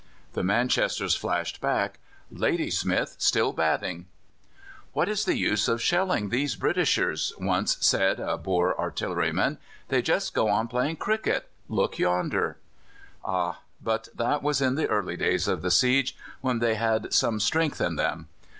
The Manchesters flashed back: "Ladysmith still batting." "What is the use of shelling these Britishers?" once said a Boer artilleryman. "They just go on playing cricket. Look yonder!" Ah! but that was in the early days of the siege, when they had some strength in them.